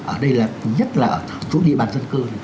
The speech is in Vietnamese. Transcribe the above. ở đây là nhất là chỗ địa bàn dân cư